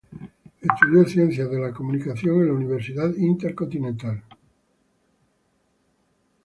Estudió Ciencias de la Comunicación en la Universidad Intercontinental.